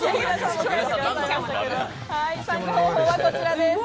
参加方法はこちらです。